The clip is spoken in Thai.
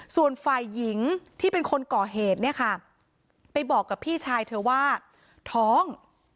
ส่วนฝ่ายหญิงที่เป็นคนก่อเหตุเนี่ยค่ะไปบอกกับพี่ชายเธอว่าท้อง